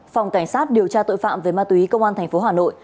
phòng cảnh sát điều tra tội phạm về ma túy công an tp hà nội